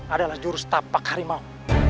adalah jurus tapak harimau